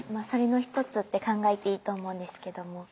それの一つって考えていいと思うんですけども。